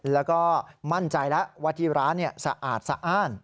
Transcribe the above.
แล้วก็มั่นใจแล้วว่าที่ร้านสะอาดสะอ้าน